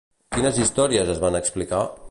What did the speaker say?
Quines històries es van explicar?